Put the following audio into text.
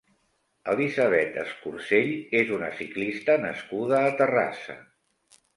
Elisabet Escursell és una ciclista nascuda a Terrassa.